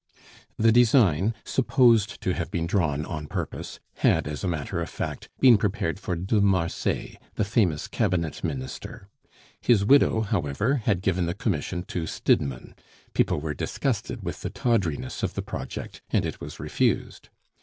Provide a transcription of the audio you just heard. The design, supposed to have been drawn on purpose, had, as a matter of fact, been prepared for de Marsay, the famous cabinet minister. His widow, however, had given the commission to Stidmann; people were disgusted with the tawdriness of the project, and it was refused.